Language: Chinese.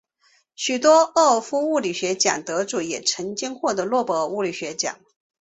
许多沃尔夫物理学奖得主也曾经获得诺贝尔物理学奖。